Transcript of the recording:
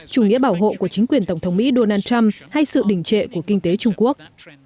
chủ nghĩa bảo hộ của chính quyền tổng thống mỹ donald trump hay sự đình trệ của kinh tế trung quốc